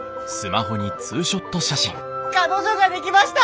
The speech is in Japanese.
彼女ができました！